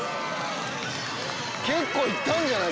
結構行ったんじゃない？